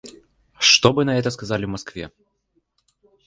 Что бы на это сказали в Москве?